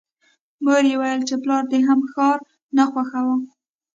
مور یې ویل چې پلار دې هم ښار نه خوښاوه